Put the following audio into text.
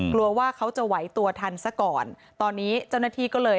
กลัวว่าเขาจะไหวตัวทันซะก่อนตอนนี้เจ้าหน้าที่ก็เลย